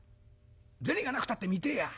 銭がなくたって見てえや。